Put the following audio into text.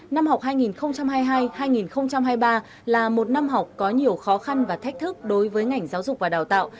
năm học hai nghìn hai mươi hai hai nghìn hai mươi ba là một năm học có nhiều khó khăn và thách thức đối với ngành giáo dục và đào tạo